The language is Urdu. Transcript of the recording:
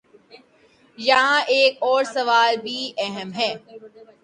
یہاں ایک اور سوال بھی اہم ہے۔